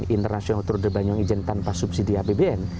international tour de banyu ijen tanpa subsidi apbn